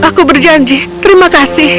aku berjanji terima kasih